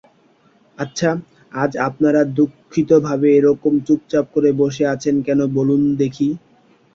আচ্ছা, আজ আপনারা দুঃখিতভাবে এরকম চুপচাপ করে বসে আছেন কেন বলুন দেখি।